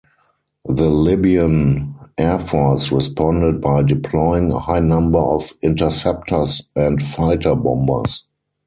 The Libyan Air Force responded by deploying a high number of interceptors and fighter-bombers.